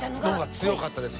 強かったです。